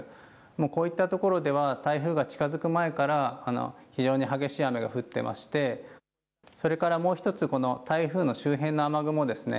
こういったところでは台風が近づく前から非常に激しい雨が降っていましてそれからもう１つこの台風の周辺の雨雲ですね